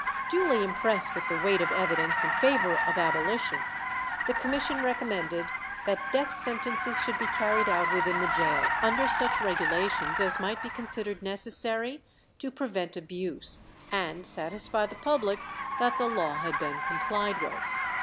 Duly impressed with the weight of evidence in favour of abolition, the commission recommended that death sentences should be carried out within the gaol, "under such regulations as might be considered necessary to prevent abuse, and satisfy the public that the law had been complied with."